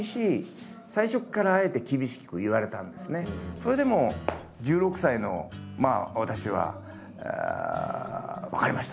それでも１６歳の私は「分かりました。